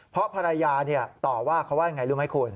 เพราะภรรยาเนี่ยต่อว่าเขาว่าไงรู้ไหมคุณ